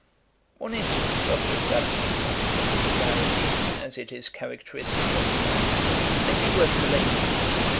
'One instance of his absence and particularity, as it is characteristick of the man, may be worth relating.